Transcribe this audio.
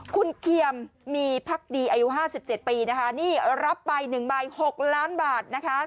คุณเคียมมีพักดีอายุ๕๗ปีรับไป๑บาท๖ล้านบาท